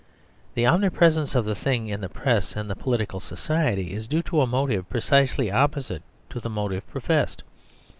The omnipresence of the thing in the press and in political so ciety is due to a motive precisely opposite to the motive professed.